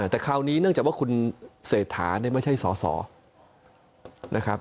แต่คราวนี้เนื่องจากว่าคุณเสถาไม่ใช่สอนะครับ